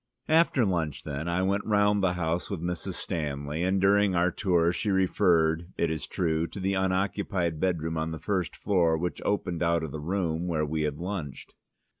After lunch, then, I went round the house with Mrs. Stanley, and during our tour she referred, it is true, to the unoccupied bedroom on the first floor, which opened out of the room where we had lunched.